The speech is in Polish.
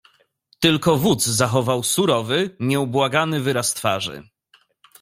"Tylko wódz zachował surowy, nieubłagany wyraz twarzy."